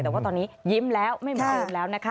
แต่ว่าตอนนี้ยิ้มแล้วไม่มีไม่ออกแล้วนะคะ